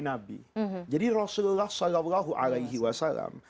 nabi jadi rasulullah saw